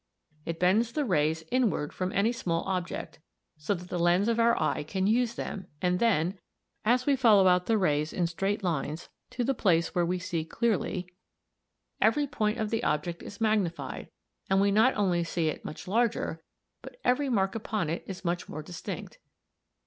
It bends the rays inwards from any small object (see the arrow a, b, Fig. 13) so that the lens of our eye can use them, and then, as we follow out the rays in straight lines to the place where we see clearly (at A, B), every point of the object is magnified, and we not only see it much larger, but every mark upon it is much more distinct.